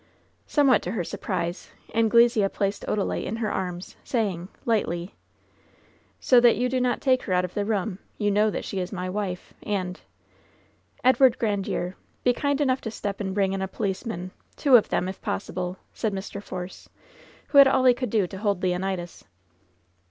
Somewhat to her surprise, Aiglesea placed Odalite in her arms, saying, lightly : "So that you do not take her out of the room ! You know that she is my wife ! And ^" "Edward Grandiere! Be kind enough to step and bring in a policeman — two of them, if possible," said Mr. Force, who had all he could do to hold Leonidas.